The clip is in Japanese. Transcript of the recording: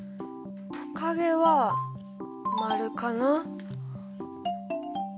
トカゲは○かな。